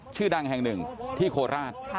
ชื่อดังแห่งหนึ่งที่โคราช